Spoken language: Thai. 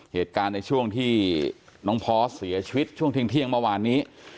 เหตุการณ์ในช่วงที่น้องพอสเสียชีวิตช่วงเที่ยงเมื่อวานนี้